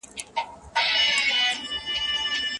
ورځي به توري شپې به اوږدې وي